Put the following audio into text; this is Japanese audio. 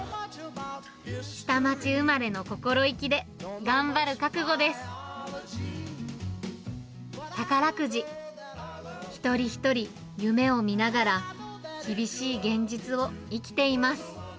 下町生まれの心意気で、一人一人、夢をみながら、厳しい現実を生きています。